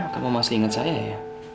kamu masih inget saya ya